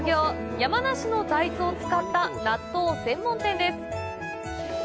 山梨の大豆を使った納豆専門店です。